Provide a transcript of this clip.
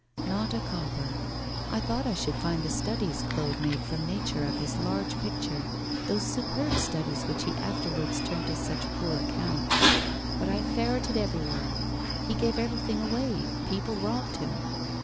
'Not a copper. I thought I should find the studies Claude made from nature for his large picture, those superb studies which he afterwards turned to such poor account. But I ferreted everywhere; he gave everything away; people robbed him.